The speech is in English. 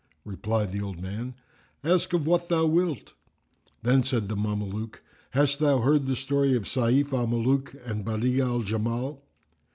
Replied the old man, "Ask of what thou wilt!" Then said the Mameluke, "Hast thou the story of Sayf al Muluk and Badí'a al Jamál?"